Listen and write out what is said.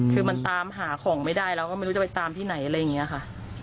คือมันตามหาของไม่ได้เราก็ไม่รู้จะไปตามที่ไหนอะไรอย่างนี้ค่ะ